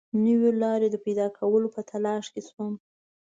نویو لارو د پیدا کولو په تلاښ کې شوم.